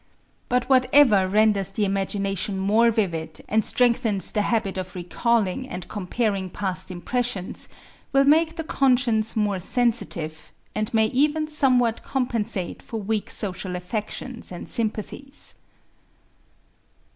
But whatever renders the imagination more vivid and strengthens the habit of recalling and comparing past impressions, will make the conscience more sensitive, and may even somewhat compensate for weak social affections and sympathies.